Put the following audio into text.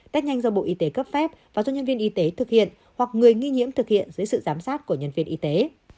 test nhanh do bộ y tế cấp phép và do nhân viên y tế thực hiện hoặc người nghi nhiễm thực hiện dưới sự giám sát của nhân viên y tế